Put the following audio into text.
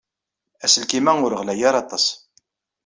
Aselkim-a ur ɣlay ara aṭas.